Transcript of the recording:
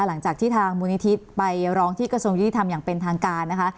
หลังจากที่ทางมูลนิธิไปร้องที่กระทรวงยุติธรรมอย่างเป็นทางการนะคะ